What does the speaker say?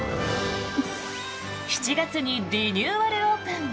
７月にリニューアルオープン。